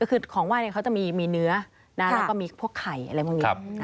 คือของไห้เขาจะมีเนื้อแล้วก็มีพวกไข่อะไรพวกนี้